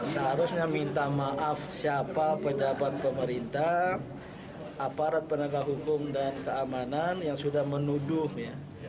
seharusnya minta maaf siapa pendapat pemerintah aparat penegak hukum dan keamanan yang sudah menuduh ya